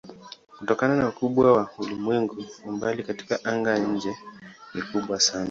Kutokana na ukubwa wa ulimwengu umbali katika anga-nje ni kubwa sana.